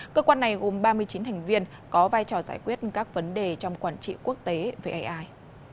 cơ quan này gồm ba mươi chín thành viên có vai trò giải quyết các vấn đề trong quản trị quốc tế về ai